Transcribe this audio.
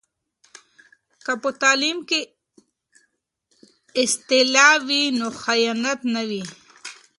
که په تعلیم کې اصلاح وي نو خیانت نه وي.